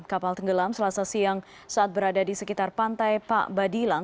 kapal tenggelam selasa siang saat berada di sekitar pantai pak badilang